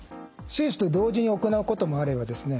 手術と同時に行うこともあればですね